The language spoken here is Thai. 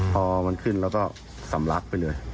พอขึ้นแล้วก็ศำรักไปเลย